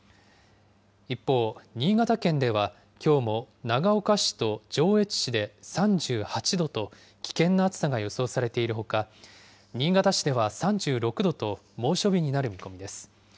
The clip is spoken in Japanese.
一方、新潟県ではきょうも長岡市と上越市で３８度と、危険な暑さが予想されているほか、新潟市では３６度と猛暑日になる見込みです。